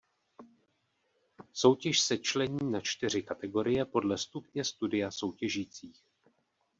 Soutěž se člení na čtyři kategorie podle stupně studia soutěžících.